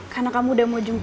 karena kamu udah mau jumpa siva